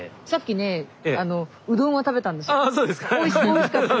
おいしかったです。